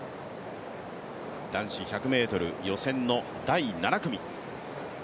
男子１００ｍ予選の第７組。